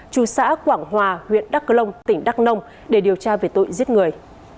trù xã quảng hòa huyện đắk lông tỉnh đắk nông để điều tra về tội giết người